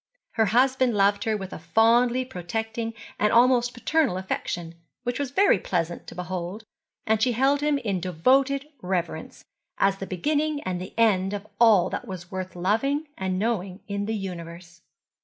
Her husband loved her with a fondly protecting and almost paternal affection, which was very pleasant to behold; and she held him in devoted reverence, as the beginning and end of all that was worth loving and knowing in the Universe.